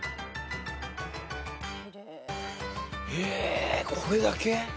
えこれだけ？